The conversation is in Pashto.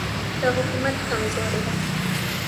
د حکومت کمزوري وه.